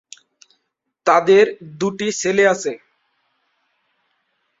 তাঁদের দুটি ছেলে আছে।